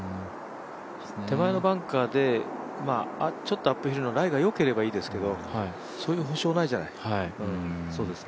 手前のバンカーで、ちょっとアップヒルのライがよければいいけどそういう保証ないじゃない。